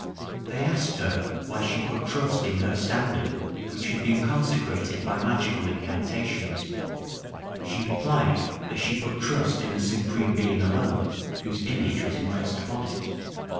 They asked her, why she put trust in her standard, which had been consecrated by magical incantations: she replied that she put trust in the Supreme Being alone, whose image was impressed upon it.